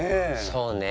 そうね